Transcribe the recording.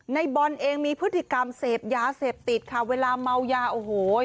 ในบอลเองมีพฤติกรรมเสพยาเสพติดค่ะเวลาเมายาโอ้โห